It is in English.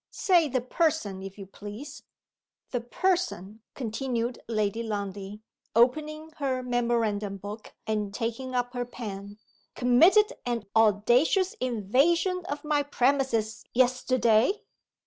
Say, 'The Person,' if you please. 'The Person,'" continued Lady Lundie, opening her memorandum book and taking up her pen, "committed an audacious invasion of my premises yesterday?"